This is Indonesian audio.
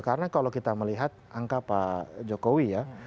karena kalau kita melihat angka pak jokowi ya